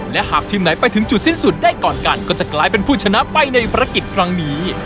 และหากทีมไหนไปถึงจุดสิ้นสุดได้ก่อนกันก็จะกลายเป็นผู้ชนะไปในภารกิจครั้งนี้